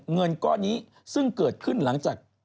เงินก้อนนี้ซึ่งเกิดขึ้นหลังจาก